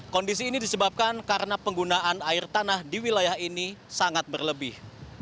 kondisi ini disebabkan karena penggunaan air tanah di wilayah ini sangat berlebih